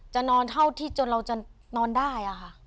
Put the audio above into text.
นอนเท่าที่จนเราจะนอนได้ค่ะ